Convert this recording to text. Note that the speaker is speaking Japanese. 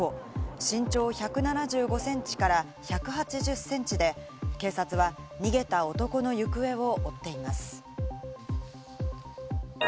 身長１７５センチから１８０センチで、警察は逃げた男の行方を追っています。